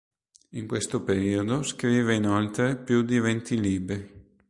In questo periodo scrive inoltre più di venti libri.